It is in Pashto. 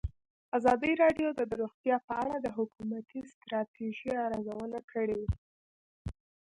ازادي راډیو د روغتیا په اړه د حکومتي ستراتیژۍ ارزونه کړې.